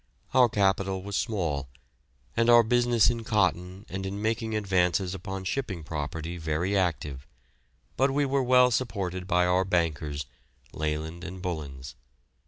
Our capital was small, and our business in cotton and in making advances upon shipping property very active, but we were well supported by our bankers, Leyland and Bullins.